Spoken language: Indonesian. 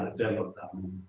itu yang pertama